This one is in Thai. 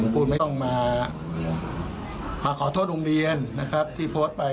คุณไม่ต้องมาขอโทษโรงเรียนนะครับที่โพสต์ไป